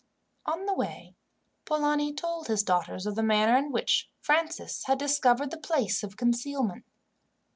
On the way, Polani told his daughters of the manner in which Francis had discovered the place of concealment.